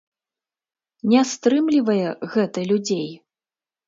Не стрымлівае гэта людзей!